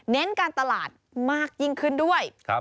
เน้นการตลาดมากยิ่งขึ้นด้วย